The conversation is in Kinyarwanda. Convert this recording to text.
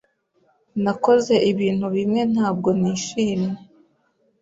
Nakoze ibintu bimwe ntabwo nishimiye.